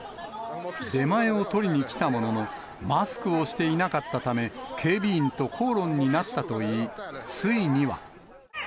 出前を取りに来たものの、マスクをしていなかったため、警備員と口論になったといい、ついには。